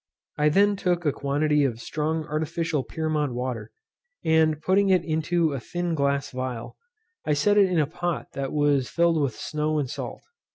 I then took a quantity of strong artificial Pyrmont water, and putting it into a thin glass phial, I set it in a pot that was filled with snow and salt.